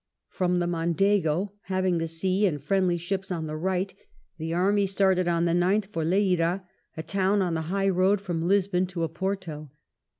From the Mondego, having the sea and friendly ships on the rights the army started on the 9th for Leiria, a town on the high road from Lisbon to Oporto.